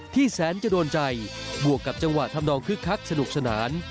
แสนจะโดนใจบวกกับจังหวะทำนองคึกคักสนุกสนาน